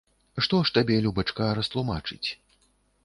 Што ж табе, любачка, растлумачыць?